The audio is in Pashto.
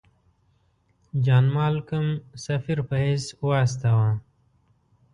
جان مالکم سفیر په حیث واستاوه.